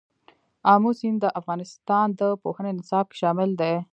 آمو سیند د افغانستان د پوهنې نصاب کې شامل دي.